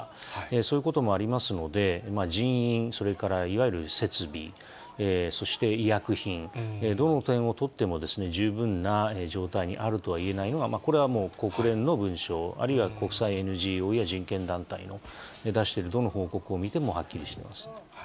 そういうこともありますので、人員、それからいわゆる設備、そして医薬品、どの点を取っても、十分な状態にあるとは言えないのが、これはもう国連の文書、あるいは国際ＮＧＯや人権団体が出しているどの報告を見てもはっきりしてます。